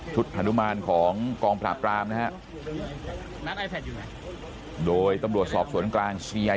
ชุดหนุมานของกองผลาปรามนะฮะโดยตำลวดสอบสวนกลาง